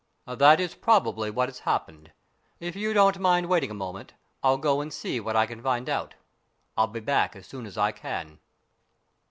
"That is probably what has happened. If you don't mind waiting a moment, I'll go and see what I can find out. I'll be back as soon as I can."